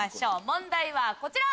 問題はこちら！